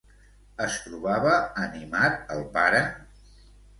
Es trobava animat el pare?